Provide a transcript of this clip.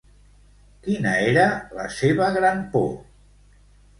Quina era la seva gran por?